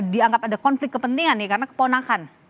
dianggap ada konflik kepentingan nih karena keponakan